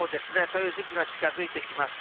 そういう時期が近づいてきます。